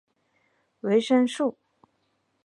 维生素。